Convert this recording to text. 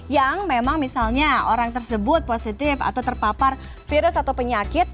yang memang misalnya orang tersebut positif atau terpapar virus atau penyakit